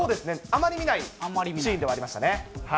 あまり見ないシーンではありましたね。